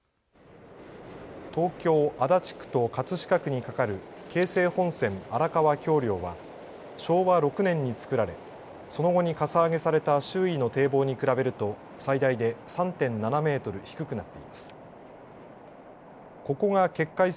東京足立区と葛飾区に架かる京成本線荒川橋梁は昭和６年に作られ、その後にかさ上げされた周囲の堤防に比べると最大で３．７メートル低くなっています。